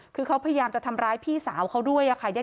คือเขาพยายามจะทำร้ายพี่สาวเขาด้วยค่ะ